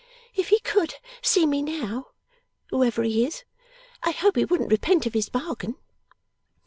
If He could see me now (whoever he is) I hope he wouldn't repent of his bargain!